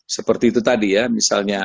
seperti itu tadi ya misalnya